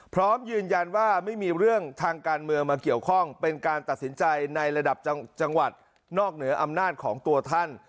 พร้อมยืนยันว่าไม่มีเรื่องทางการเมืองมาเกี่ยวข้องเป็นการตัดสินใจในระดับจังหวัดนอกเหนืออำนาจของตัวท่าน